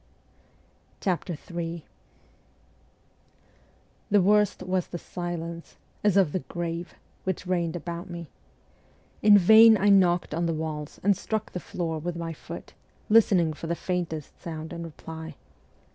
Ill THE worst was the silence, as of the grave, which reigned about me. In vain I knocked on the walls and struck the floor with my foot, listening for the faintest sound in reply.